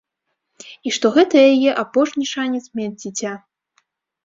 І што гэта яе апошні шанец мець дзіця.